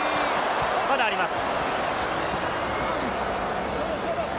まだあります。